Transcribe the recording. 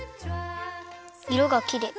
いろがきれい。